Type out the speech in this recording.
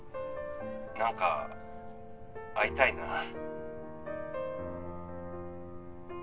何か会いたいな。